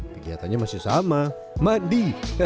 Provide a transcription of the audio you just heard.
kegiatannya masih sama mandi